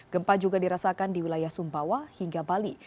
gempa juga dirasakan di wilayah sumbawa hingga bali